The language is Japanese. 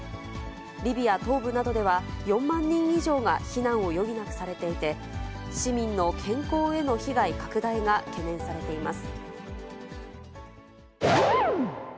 リビア東部などでは、４万人以上が避難を余儀なくされていて、市民の健康への被害拡大が懸念されています。